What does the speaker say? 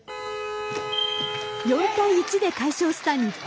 ４対１で快勝した日本。